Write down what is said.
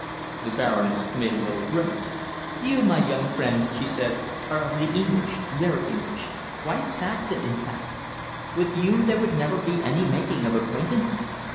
The Baroness made a little grimace. "You, my young friend," she said, "are of the English very English. Quite Saxon, in fact. With you there would never be any making of acquaintances!